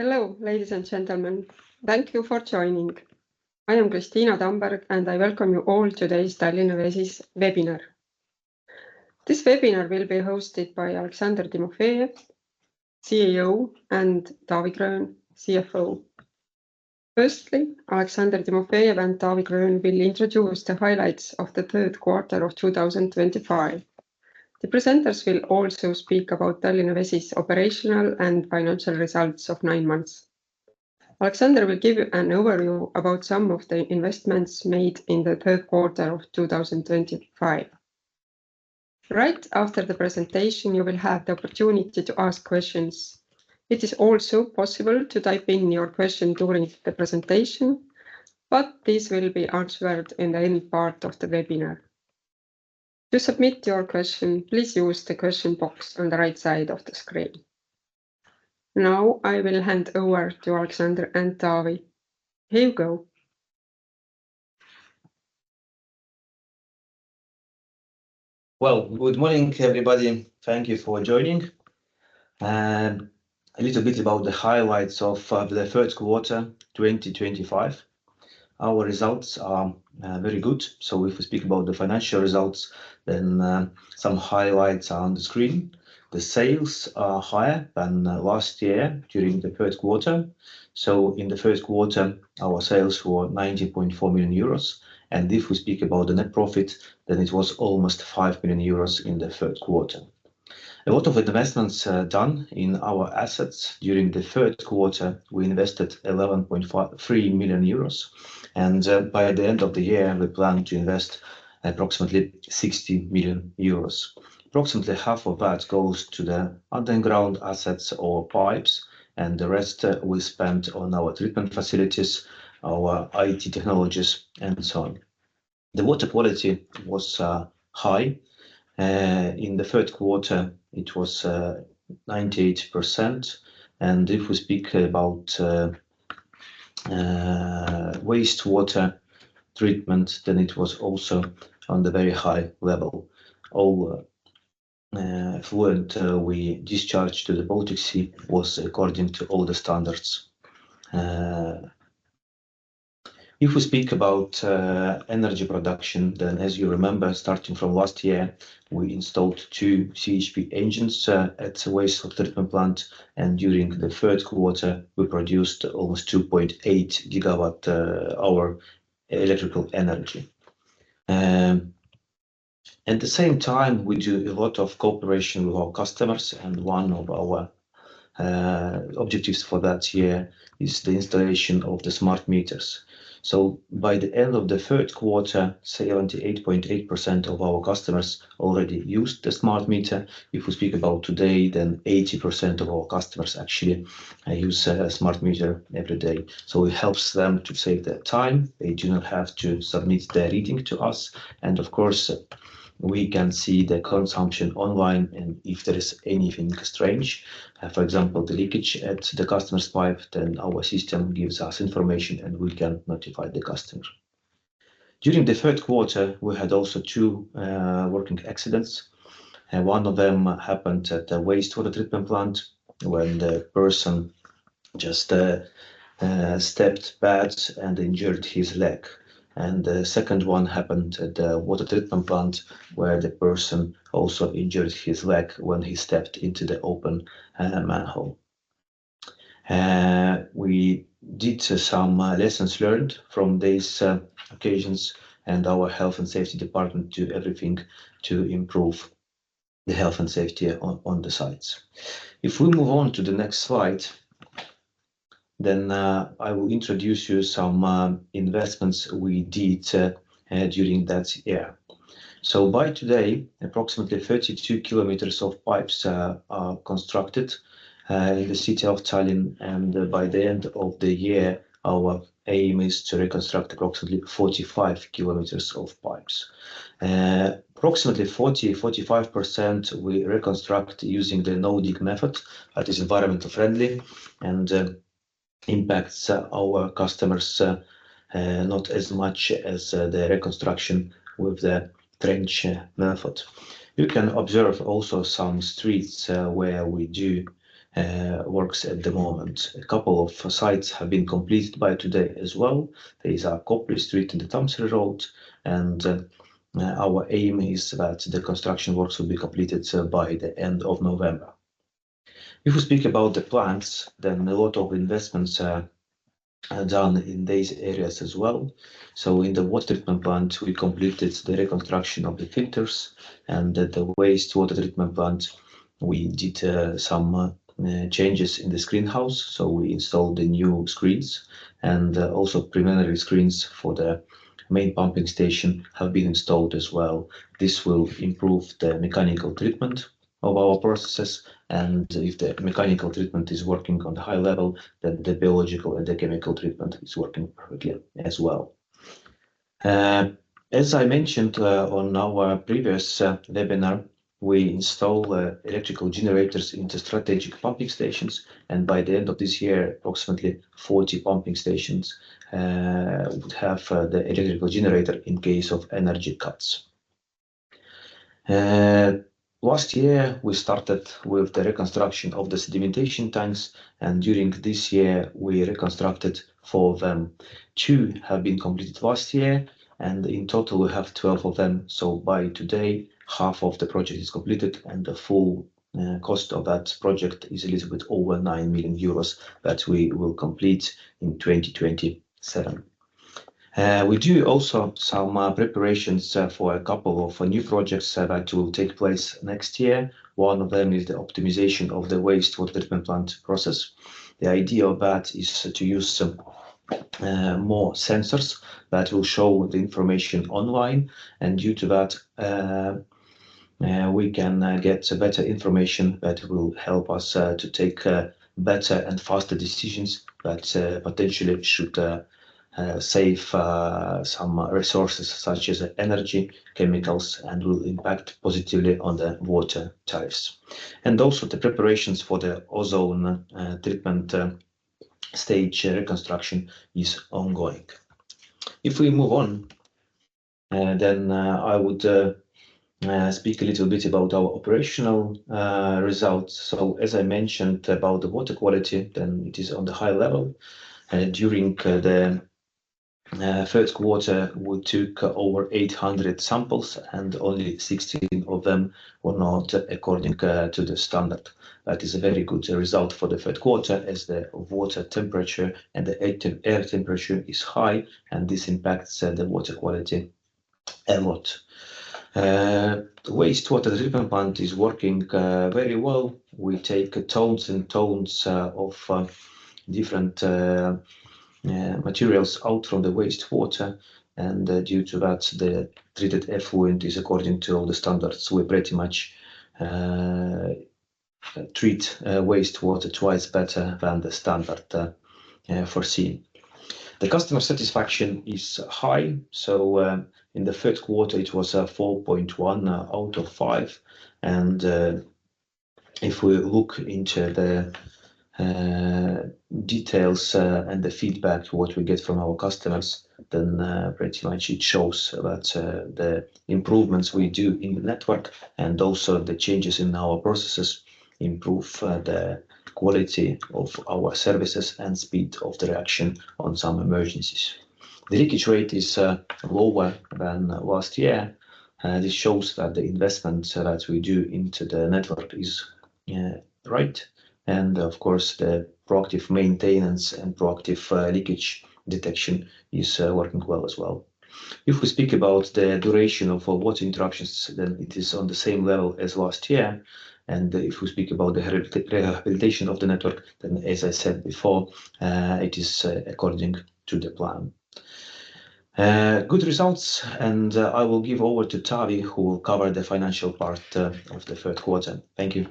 Hello, ladies and gentlemen. Thank you for joining. I am Kristiina Tamberg, and I welcome you all to today's Tallinna Vesi webinar. This webinar will be hosted by Aleksandr Timofejev, CEO, and Taavi Gröön, CFO. Firstly, Aleksandr Timofejev and Taavi Gröön will introduce the highlights of the third quarter of 2025. The presenters will also speak about Tallinna Vesi's operational and financial results of nine months. Aleksandr will give you an overview about some of the investments made in the third quarter of 2025. Right after the presentation, you will have the opportunity to ask questions. It is also possible to type in your question during the presentation, but this will be answered in any part of the webinar. To submit your question, please use the question box on the right side of the screen. Now I will hand over to Aleksandr and Taavi. Here you go. Good morning, everybody. Thank you for joining. A little bit about the highlights of the third quarter 2025. Our results are very good. If we speak about the financial results, then some highlights are on the screen. The sales are higher than last year during the third quarter. In the first quarter, our sales were 90.4 million euros. If we speak about the net profit, then it was almost 5 million euros in the third quarter. A lot of investments done in our assets during the third quarter. We invested 11.3 million euros, and by the end of the year, we plan to invest approximately 60 million euros. Approximately half of that goes to the underground assets or pipes, and the rest we spend on our treatment facilities, our IT technologies, and so on. The water quality was high. In the third quarter, it was 98%. If we speak about wastewater treatment, then it was also at a very high level. All effluent we discharged to the Baltic Sea was according to all the standards. If we speak about energy production, then as you remember, starting from last year, we installed two CHP engines at the wastewater treatment plant. During the third quarter, we produced almost 2.8 gigawatt-hours electrical energy. At the same time, we do a lot of cooperation with our customers, and one of our objectives for that year is the installation of the smart meters. By the end of the third quarter, 78.8% of our customers already used the smart meter. If we speak about today, then 80% of our customers actually use a smart meter every day. It helps them to save their time. They do not have to submit their reading to us. Of course, we can see the consumption online. If there is anything strange, for example, the leakage at the customer's pipe, then our system gives us information, and we can notify the customer. During the third quarter, we had also two working accidents. One of them happened at the wastewater treatment plant when the person just stepped badly and injured his leg. The second one happened at the water treatment plant where the person also injured his leg when he stepped into the open manhole. We did some lessons learned from these occasions and our health and safety department to do everything to improve the health and safety on the sites. If we move on to the next slide, then I will introduce you to some investments we did during that year. By today, approximately 32 km of pipes are constructed in the City of Tallinn. By the end of the year, our aim is to reconstruct approximately 45 km of pipes. Approximately 40%-45% we reconstruct using the no-dig method that is environmentally friendly and impacts our customers not as much as the reconstruction with the trench method. You can observe also some streets where we do works at the moment. A couple of sites have been completed by today as well. There is a Kopli Street in the Tammsaare Road, and our aim is that the construction works will be completed by the end of November. If we speak about the plants, then a lot of investments are done in these areas as well. So in the water treatment plant, we completed the reconstruction of the filters. And at the wastewater treatment plant, we did some changes in the greenhouse. We installed the new screens, and also preliminary screens for the main pumping station have been installed as well. This will improve the mechanical treatment of our processes. And if the mechanical treatment is working on the high level, then the biological and the chemical treatment is working perfectly as well. As I mentioned on our previous webinar, we install electrical generators into strategic pumping stations. And by the end of this year, approximately 40 pumping stations would have the electrical generator in case of energy cuts. Last year, we started with the reconstruction of the sedimentation tanks. And during this year, we reconstructed four of them. Two have been completed last-year, and in total, we have 12 of them. By today, half of the project is completed, and the full cost of that project is a little bit over 9 million euros that we will complete in 2027. We do also some preparations for a couple of new projects that will take place next-year. One of them is the optimization of the wastewater treatment plant process. The idea of that is to use some more sensors that will show the information online. Due to that, we can get better information that will help us to take better and faster decisions that potentially should save some resources such as energy, chemicals, and will impact positively on the water types. Also, the preparations for the ozone treatment stage reconstruction is ongoing. If we move on, then I would speak a little bit about our operational results. As I mentioned about the water quality, it is on the high level. During the third quarter, we took over 800 samples, and only 16 of them were not according to the standard. That is a very good result for the third quarter as the water temperature and the air temperature is high, and this impacts the water quality a lot. The wastewater treatment plant is working very well. We take tons and tons of different materials out from the wastewater, and due to that, the treated effluent is according to all the standards. We pretty much treat wastewater twice better than the standard foreseen. The customer satisfaction is high, so in the third quarter, it was 4.1 out of five. And if we look into the details and the feedback, what we get from our customers, then pretty much it shows that the improvements we do in the network and also the changes in our processes improve the quality of our services and speed of the reaction on some emergencies. The leakage rate is lower than last year. This shows that the investments that we do into the network are right. And of course, the proactive maintenance and proactive leakage detection are working well as well. If we speak about the duration of water interruptions, then it is on the same level as last-year. And if we speak about the rehabilitation of the network, then as I said before, it is according to the plan. Good results. And I will give over to Taavi, who will cover the financial part of the third quarter. Thank you.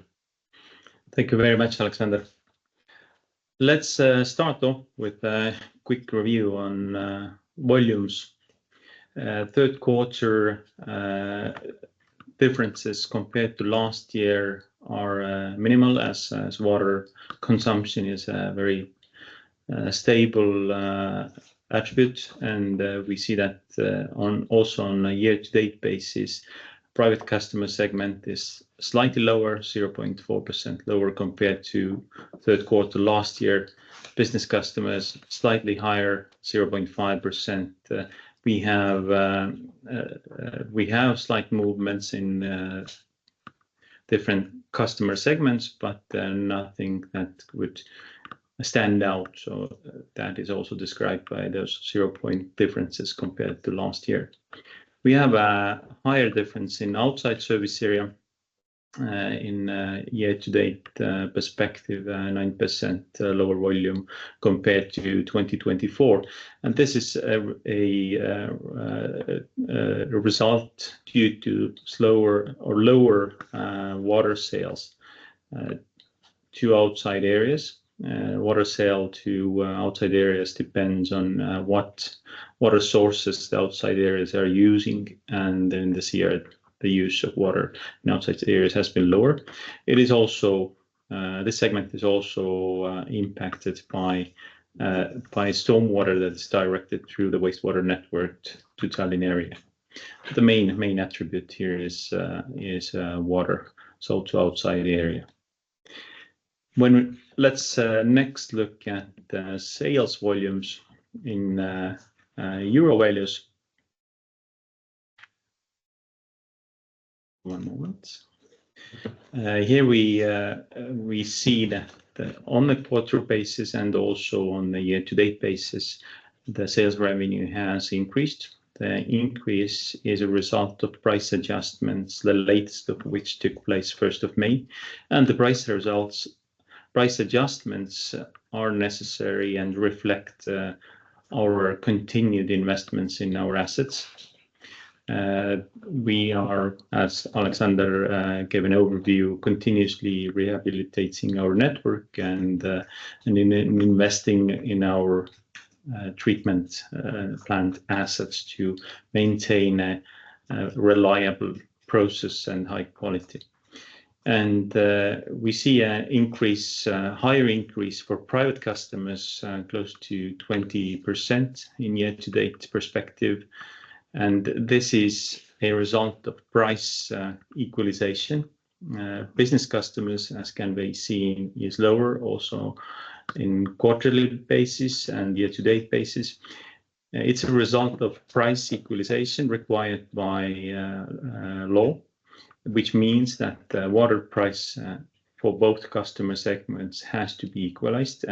Thank you very much, Aleksandr. Let's start off with a quick review on volumes. Third quarter differences compared to last year are minimal, as water consumption is a very stable attribute, and we see that also on a year-to-date basis, the private customer segment is slightly lower, 0.4% lower compared to the third quarter last year. Business customers are slightly higher, 0.5%. We have slight movements in different customer segments, but nothing that would stand out, so that is also described by those zero-point differences compared to last-year. We have a higher difference in outside service area in a year-to-date perspective, 9% lower volume compared to 2024, and this is a result due to slower or lower water sales to outside areas. Water sale to outside areas depends on what water sources the outside areas are using. And in this year, the use of water in outside areas has been lower. This segment is also impacted by stormwater that is directed through the wastewater network to Tallinn area. The main attribute here is water, so to outside area. Let's next look at sales volumes in euro values. One moment. Here we see that on the quarter basis and also on the year-to-date basis, the sales revenue has increased. The increase is a result of price adjustments, the latest of which took place 1st of May, and the price adjustments are necessary and reflect our continued investments in our assets. We are, as Aleksandr gave an overview, continuously rehabilitating our network and investing in our treatment plant assets to maintain a reliable process and high quality, and we see a higher increase for private customers, close to 20% in year-to-date perspective. This is a result of price equalization. Business customers, as can be seen, are lower also on a quarterly basis and year-to-date basis. It's a result of price equalization required by law, which means that water price for both customer segments has to be equalized.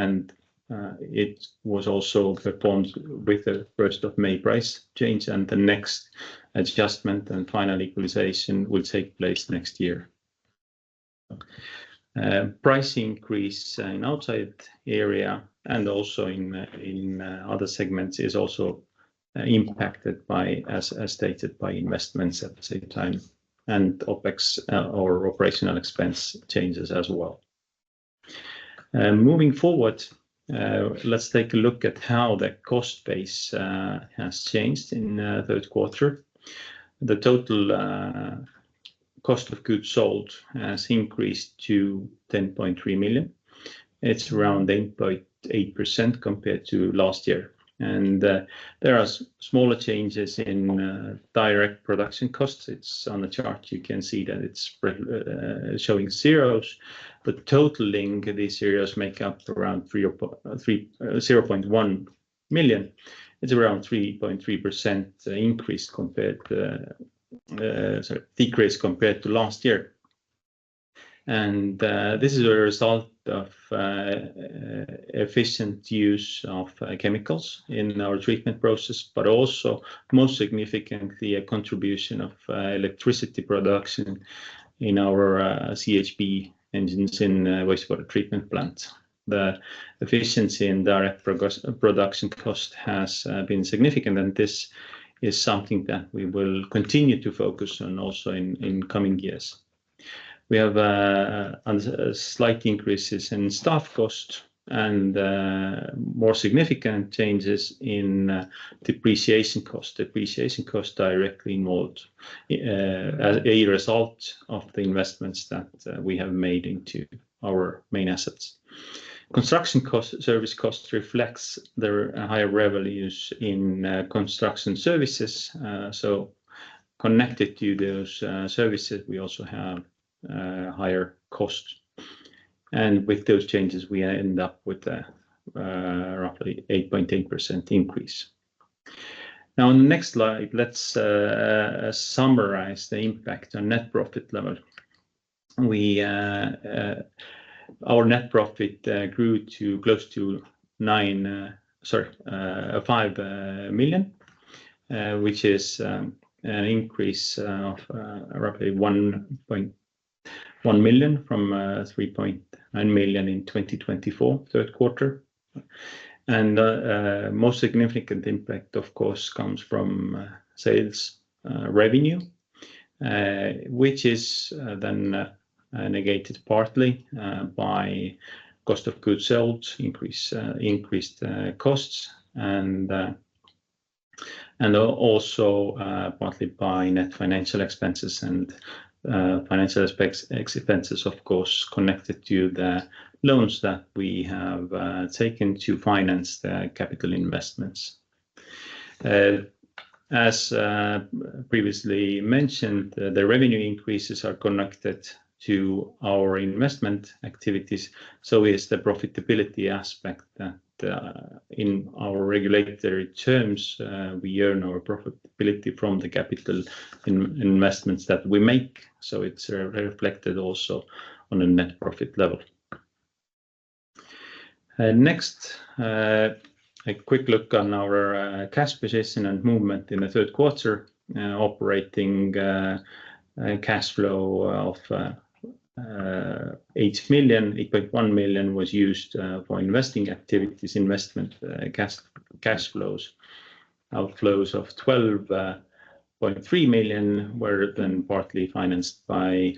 It was also performed with the 1st of May price change. The next adjustment and final equalization will take place next year. Price increase in outside area and also in other segments is also impacted, as stated, by investments at the same time. OPEX, our operational expense, changes as well. Moving forward, let's take a look at how the cost base has changed in the third quarter. The total cost of goods sold has increased to 10.3 million. It's around 8.8% compared to last-year. There are smaller changes in direct production costs. It's on the chart. You can see that it's showing zeros. The total link, these areas make up around 0.1 million. It's around 3.3% increased compared to last year. And this is a result of efficient use of chemicals in our treatment process, but also most significantly, a contribution of electricity production in our CHP engines in wastewater treatment plants. The efficiency in direct production cost has been significant, and this is something that we will continue to focus on also in coming years. We have slight increases in staff costs and more significant changes in depreciation costs. Depreciation costs directly involved as a result of the investments that we have made into our main assets. Construction service costs reflect the higher revenues in construction services. So connected to those services, we also have higher costs. And with those changes, we end up with a roughly 8.8% increase. Now, on the next slide, let's summarize the impact on net profit level. Our net profit grew to close to EUR 5 million, which is an increase of roughly 1.1 million from 3.9 million in 2024 third quarter, and the most significant impact, of course, comes from sales revenue, which is then negated partly by Cost of goods sold, increased costs, and also partly by net financial expenses and financial expenses, of course, connected to the loans that we have taken to finance the capital investments. As previously mentioned, the revenue increases are connected to our investment activities, so is the profitability aspect that in our regulatory terms, we earn our profitability from the capital investments that we make, so it's reflected also on the net profit level. Next, a quick look on our cash position and movement in the third quarter. Operating cash flow of 8 million. 8.1 million was used for investing activities, investment cash flows. Outflows of 12.3 million were then partly financed by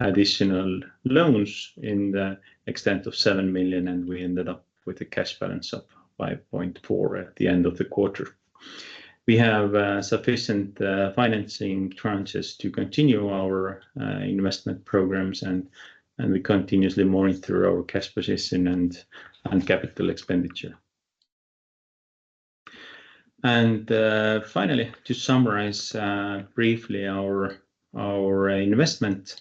additional loans in the extent of 7 million. And we ended up with a cash balance of 5.4 million at the end of the quarter. We have sufficient financing tranches to continue our investment programs. And we continuously monitor our cash position and capital expenditure. And finally, to summarize briefly our investment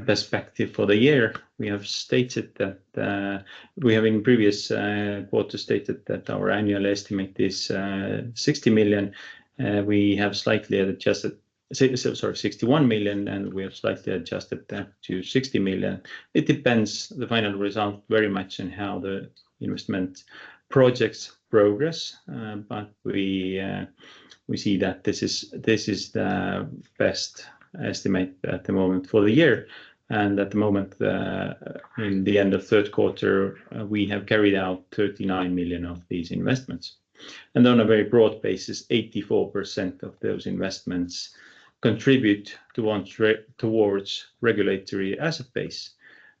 perspective for the year, we have stated that we have in previous quarters stated that our annual estimate is 60 million. We have slightly adjusted, sorry, 61 million, and we have slightly adjusted that to 60 million. It depends on the final result very much on how the investment projects progress. But we see that this is the best estimate at the moment for the year. At the moment, in the end of third quarter, we have carried out 39 million of these investments. On a very broad basis, 84% of those investments contribute towards regulatory asset base.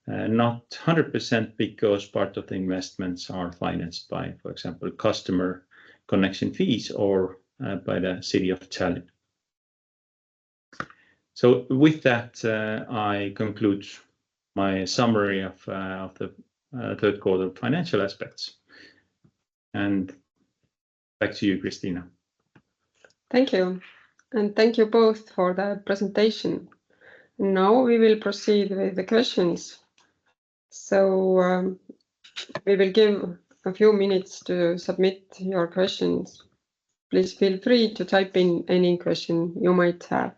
Not 100% because part of the investments are financed by, for example, customer connection fees or by the City of Tallinn. With that, I conclude my summary of the third quarter financial aspects. Back to you, Kristiina. Thank you. And thank you both for the presentation. Now we will proceed with the questions. So we will give a few minutes to submit your questions. Please feel free to type in any question you might have.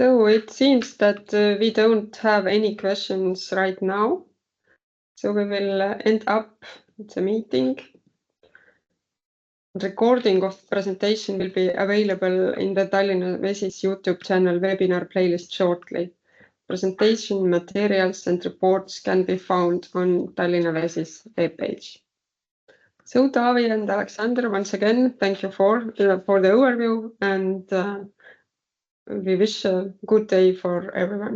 So it seems that we don't have any questions right now. So we will end up with a meeting. Recording of the presentation will be available in the Tallinna Vesi's YouTube channel webinar playlist shortly. Presentation materials and reports can be found on Tallinna Vesi's web page. So Taavi and Aleksandr, once again, thank you for the overview. And we wish a good day for everyone.